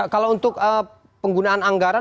kalau untuk penggunaan anggaran